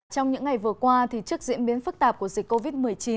trong những ngày vừa qua trước diễn biến phức tạp của dịch covid một mươi chín